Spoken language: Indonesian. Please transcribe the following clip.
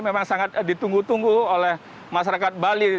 memang sangat ditunggu tunggu oleh masyarakat bali